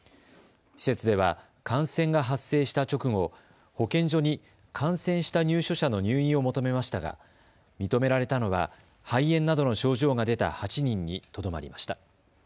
施設では感染が発生した直後、保健所に感染した入所者の入院を求めましたが認められたのは肺炎などの症状が出た８人にとどまりました。